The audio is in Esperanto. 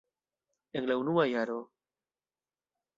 En la unua jaro.